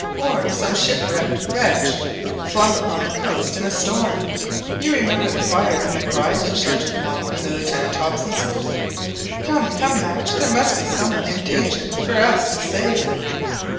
Or some shipwrecked wretch flung upon the coast in the storm. You remember the fire and the cry of which Sergeant Long and Lieutenant Hobson spoke. Come, come, Madge, there may be some one in danger for us to save!